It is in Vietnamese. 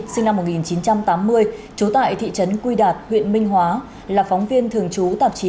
sinh năm một nghìn chín trăm tám mươi trú tại thị trấn quy đạt huyện minh hóa là phóng viên thường trú tạp chí